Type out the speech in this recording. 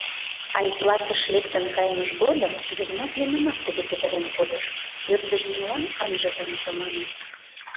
Айплатыш лектын кайымыж годым Йыгнат лӱмынак тыге петырен кодыш, ӧрдыж еҥлан ынже кончо манын.